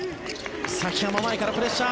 崎濱、前からプレッシャー。